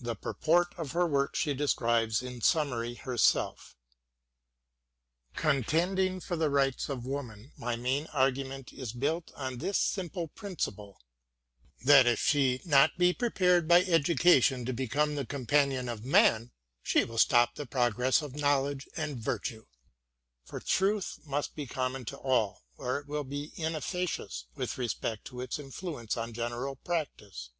The purport of her work she describes in summary herself ; MARY WOLLSTONECRAFT 93 Contending for the rights of woman, my main argument is built on this simple principle, that if she be not prepared by education to become the companion of man, she will stop the progress of knowledge and virtue ; for truth must be common to all or it will be inefficacious with respect to its influence on general practice.